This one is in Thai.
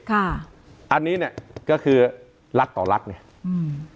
ค่ะอันนี้เนี้ยก็คือรัฐต่อรัฐไงอืม